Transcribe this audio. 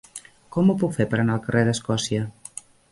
Com ho puc fer per anar al carrer d'Escòcia?